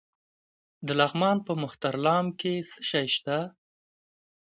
د لغمان په مهترلام کې څه شی شته؟